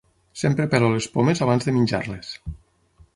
Sempre pelo les pomes abans de menjar-les.